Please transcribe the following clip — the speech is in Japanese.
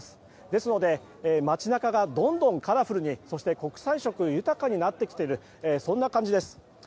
ですので、街中がどんどんカラフルにそして国際色豊かになってきているそんな感じです。